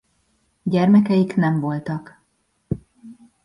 Gyermekeik nem voltak.